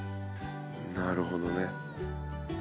なるほどね。